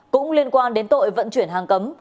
cũng liên quan đến tội vận chuyển hàng cấm